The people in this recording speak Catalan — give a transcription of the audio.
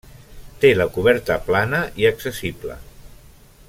Té la coberta plana i accessible.